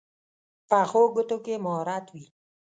پخو ګوتو کې مهارت وي